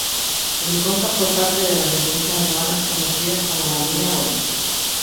El Conca fue parte de las defensas alemanas conocidas como la Línea Gótica.